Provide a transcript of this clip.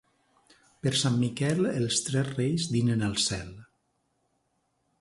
Per Sant Miquel els tres reis dinen al cel.